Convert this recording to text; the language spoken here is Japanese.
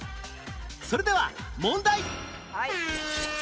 それでは問題